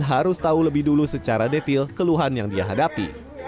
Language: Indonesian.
harus tahu lebih dulu secara detail keluhan yang dia hadapi